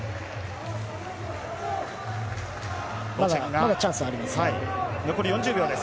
まだチャンスはあります。